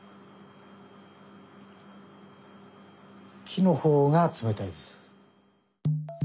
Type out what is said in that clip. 木の方が冷たいです。